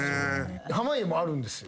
濱家もあるんですよ。